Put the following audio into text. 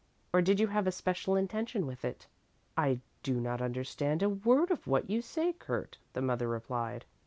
Or did you have a special intention with it?" "I do not understand a word of what you say, Kurt," the mother replied.